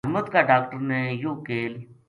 ہلمت کا ڈاکٹر نے یوہ کیل